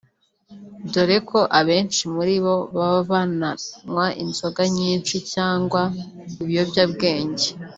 dore ko abenshi muri bo baba bananywa inzoga nyinshi cyangwa ibiyobyabwenge